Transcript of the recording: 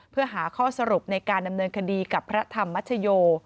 เพื่อหาข้อสรุปในการดำเนินคดีกับพระธรรมชโย